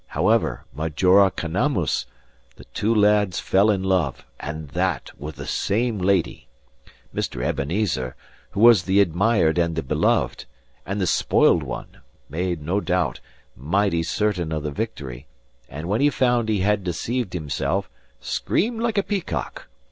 However, majora canamus the two lads fell in love, and that with the same lady. Mr. Ebenezer, who was the admired and the beloved, and the spoiled one, made, no doubt, mighty certain of the victory; and when he found he had deceived himself, screamed like a peacock.